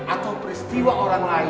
atau peristiwa orang lain